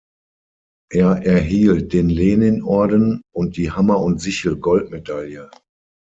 Er erhielt den Leninorden und die "Hammer-und-Sichel-Goldmedaille".